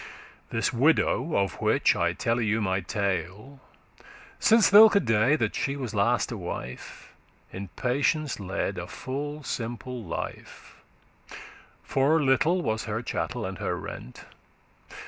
This widow, of which I telle you my tale, Since thilke day that she was last a wife, In patience led a full simple life, For little was *her chattel and her rent.